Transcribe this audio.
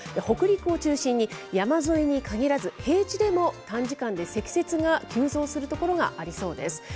北陸を中心に、山沿いに限らず、平地でも短時間で積雪が急増する所がありそうです。